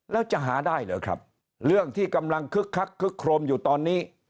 แล้วจะหาได้เหรอครับเรื่องที่กำลังคึกคักคึกโครมอยู่ตอนนี้